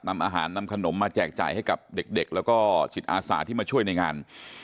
นำอาหารนำขนมมาแจกจ่ายให้กับเด็กแล้วก็จิตอาสาที่มาช่วยในงาน